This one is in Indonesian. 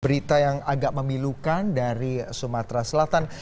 berita yang agak memilukan dari sumatera selatan